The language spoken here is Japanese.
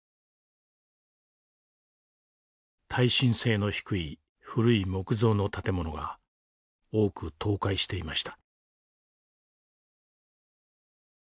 耐震性の低い古い木造の建物が多く倒壊していました。